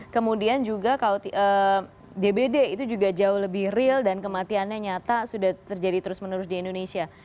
kemudian juga kalau dbd itu juga jauh lebih real dan kematiannya nyata sudah terjadi terus menerus di indonesia